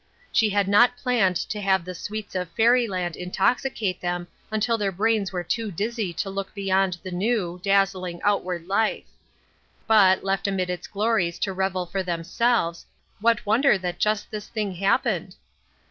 She had not planned to have the sweets of fairyland intoxicate them until their brains were too dizzy to lock beyond the new, DRIFTING. 69 dazzling outward life ; but, left amid its glories to revel for themselves, what wonder that just this thing happened